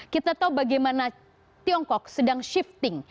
kita tahu bagaimana tiongkok sedang shifting